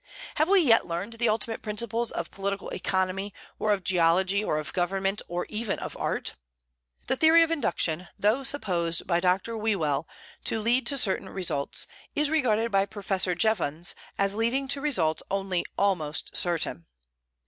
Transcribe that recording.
Have we yet learned the ultimate principles of political economy, or of geology, or of government, or even of art? The theory of induction, though supposed by Dr. Whewell to lead to certain results, is regarded by Professor Jevons as leading to results only "almost certain."